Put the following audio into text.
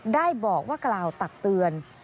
ได้บอกว่ากล่าวตักเตือน